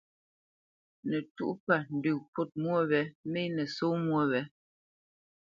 Nɔ ntə̌tûʼ pə̂, ndə kût mwô wě mê nə̂ só mwô wě.